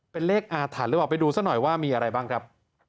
เป็นเลขอาถรรพ์หรือเปล่าไปดูซะหน่อยว่ามีอะไรบ้างครับ